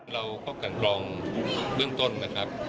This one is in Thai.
เราก็กันกรองเบื้องต้นนะครับ